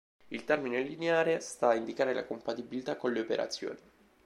Il termine "lineare" sta a indicare la compatibilità con le operazioni.